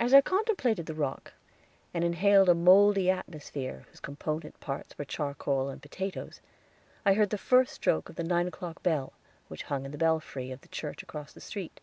As I contemplated the rock, and inhaled a moldy atmosphere whose component parts were charcoal and potatoes, I heard the first stroke of the nine o'clock bell, which hung in the belfry of the church across the street.